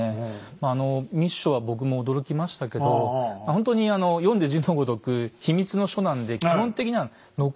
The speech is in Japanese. まああの密書は僕も驚きましたけどほんとに読んで字のごとく秘密の書なんで基本的には残らないんですね。